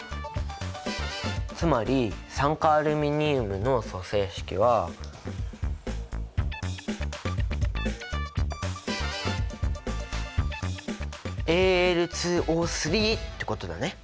つまり酸化アルミニウムの組成式は。ってことだね。